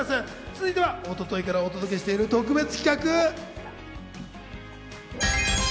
続いては、昨日、一昨日からお届けしている特別企画。